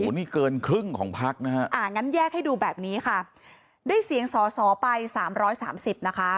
โอ้โหนี่เกินครึ่งของภักดิ์นะครับงั้นแยกให้ดูแบบนี้ค่ะได้เสียงสอไป๓๓๐นะคะ